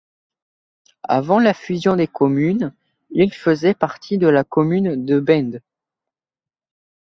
Avant la fusion des communes, il faisait partie de la commune de Bende.